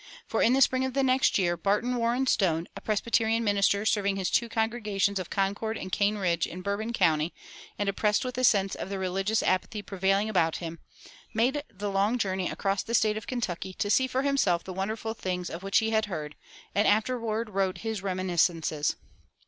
For in the spring of the next year Barton Warren Stone, a Presbyterian minister serving his two congregations of Concord and Cane Ridge in Bourbon County, and oppressed with a sense of the religious apathy prevailing about him, made the long journey across the State of Kentucky to see for himself the wonderful things of which he had heard, and afterward wrote his reminiscences.